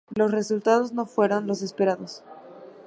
Los resultados no fueron los esperados.